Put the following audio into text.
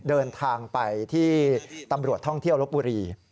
เดินทางไปที่ตำรวจท่องเที่ยวลบบุรี